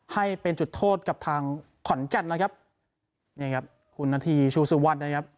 ให้เป็นจุดโทษกับทางขอนแก่นแล้วครับเนี่ยครับคุณณฑีชูซุวัตรนะครับ